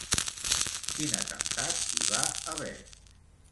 Quin atemptat hi va haver?